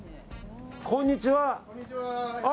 こんにちは。